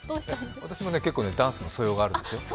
私も結構ダンスの素養があるんですよ。